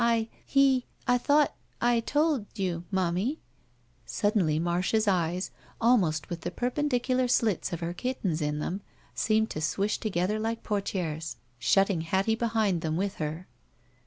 I — He — I thought — I — ^told — ^y ou — ^momie. *' Suddenly Marcia's eyes, almost with the perpen dicular slits of her kitten's in them, seemed to swish together like portieres, shutting Hattie behind them with her.